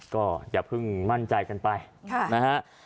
ก็อย่าเพิ่งมั่นใจกันไปนะฮะ